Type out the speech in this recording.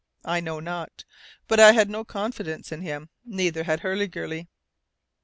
I know not, but I had no confidence in him, neither had Hurliguerly!